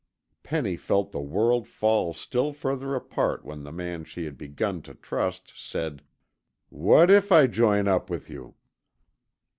Penny felt the world fall still further apart when the man she had begun to trust said, "What if I join up with you?"